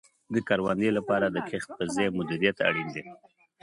د کروندې لپاره د کښت په ځای مدیریت اړین دی.